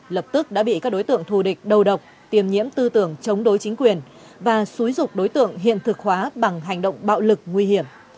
lập tức đã bị các đối tượng thù địch đầu độc tìm nhiễm tư tưởng chống đối chính quyền và xúi dục đối tượng hiện thực hóa bằng hành động bạo lực nguy hiểm